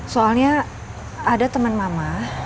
soalnya ada temen mama